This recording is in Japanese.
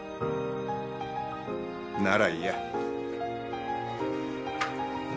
ならいいや。